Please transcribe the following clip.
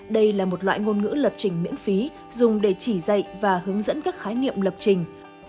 đây là một loại ngôn ngữ lập trình miễn phí dùng để chỉ dạy và hướng dẫn các khái niệm lập trình